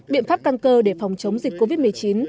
biện pháp căng cơ để phòng chống dịch covid một mươi chín